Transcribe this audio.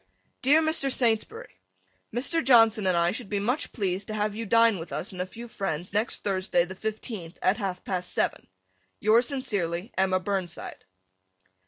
Dear Mr. Saintsbury: Mr. Johnson and I should be much pleased to have you dine with us and a few friends next Thursday, the fifteenth, at half past seven. Yours sincerely, Emma Burnside.